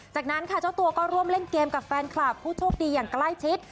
จากนั้นค่ะเจ้าตัวก็ร่วมเล่นเกมกับแฟนคลับผู้โชคดีอย่างใกล้ชิด